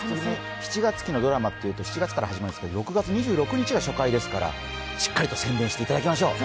７月期のドラマというと７月から始まるんですけど６月２６日が初回ですから、しっかりと宣伝していただきましょう。